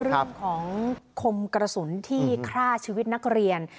เรื่องของคมกระสุนที่ฆ่าชีวิตนักเรียน